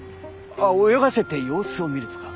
あっ泳がせて様子を見るとか？